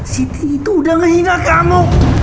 siti itu udah menghina kamu